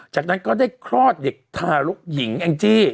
จากนั้นก็ได้คลอดเด็กทารกหญิงแองจี้